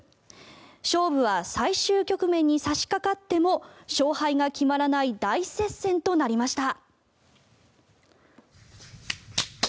勝負は最終局面に差しかかっても勝敗が決まらない大接戦となりました。